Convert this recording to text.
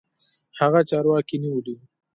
هغه چارواکو نيولى.